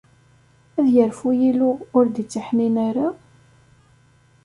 Ad yerfu Yillu, ur d-ittiḥnin ara?